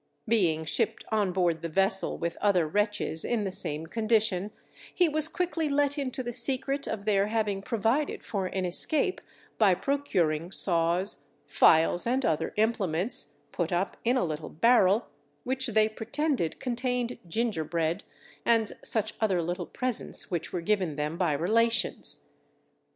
Being shipped on board the vessel with other wretches in the same condition, he was quickly let into the secret of their having provided for an escape by procuring saws, files, and other implements, put up in a little barrel, which they pretended contained gingerbread, and such other little presents which were given them by relations.